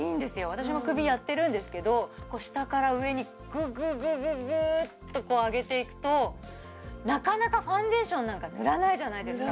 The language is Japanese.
私も首やってるんですけど下から上にグググググーッと上げていくとなかなかファンデーションなんか塗らないじゃないですか